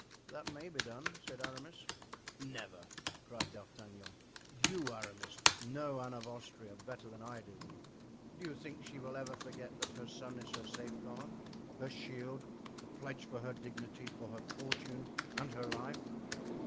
"That may be done," said Aramis. "Never!" cried D'Artagnan. "You, Aramis, know Anne of Austria better than I do. Do you think she will ever forget that her son is her safeguard, her shield, the pledge for her dignity, for her fortune and her life?